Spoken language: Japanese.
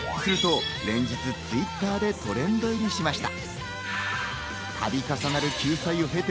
すると連日Ｔｗｉｔｔｅｒでトレンド入りしました。